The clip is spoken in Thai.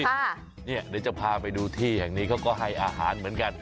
เดี๋ยวจะพาไปดูที่แห่งนี้เขาก็ให้อาหารเหมือนกัน